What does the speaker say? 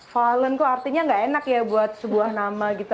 valen kok artinya gak enak ya buat sebuah nama gitu